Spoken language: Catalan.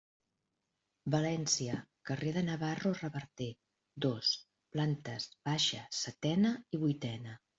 València, carrer de Navarro Reverter, dos, plantes baixa, setena i vuitena.